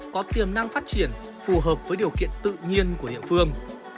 có tiềm năng phát triển phù hợp với điều kiện tự nhiên của địa phương